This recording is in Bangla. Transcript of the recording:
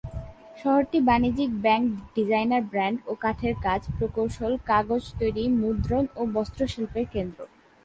শহরটি বাণিজ্যিক ব্যাংক, ডিজাইনার ব্র্যান্ড ও কাঠের কাজ, প্রকৌশল, কাগজ তৈরি, মুদ্রণ ও বস্ত্র শিল্পের কেন্দ্র।